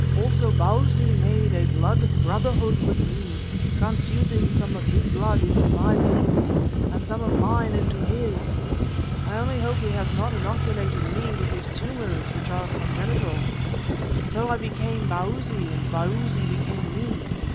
Also Bausi made a blood brotherhood with me, transfusing some of his blood into my veins and some of mine into his. I only hope he has not inoculated me with his tumours, which are congenital. So I became Bausi and Bausi became me.